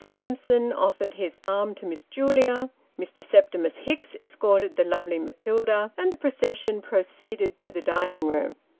Simpson offered his arm to Miss Julia; Mr. Septimus Hicks escorted the lovely Matilda ; and the procession proceeded to the dining room.